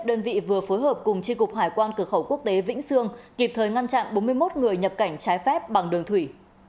đơn vị vừa phối hợp cùng tri cục hải quan cửa khẩu quốc tế vĩnh sương kịp thời ngăn chặn bốn mươi một người nhập cảnh trái phép bằng đường thủy